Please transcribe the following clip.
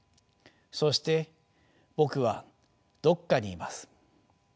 そして僕はどっかにいます。